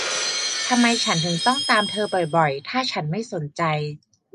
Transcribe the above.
ทำไมฉันถึงต้องตามหาเธอบ่อย ๆ ถ้าฉันไม่สนใจ